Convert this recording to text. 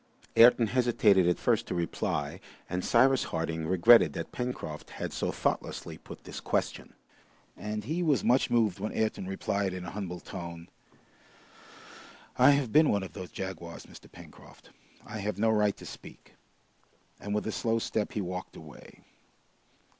Ayrton hesitated at first to reply, and Cyrus Harding regretted that Pencroft had so thoughtlessly put this question. And he was much moved when Ayrton replied in a humble tone, "I have been one of those jaguars, Mr. Pencroft. I have no right to speak." And with a slow step he walked away.